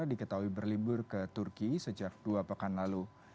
diketahui berlibur ke turki sejak dua pekan lalu